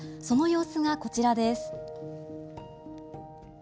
その様子が、こちらです。